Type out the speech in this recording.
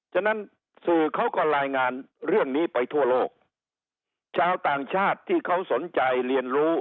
ฉะนั้นสื่อเขาก็รายงานเรื่องนี้ไปทั่วโลกชาวต่างชาติที่เขาสนใจเรียนรู้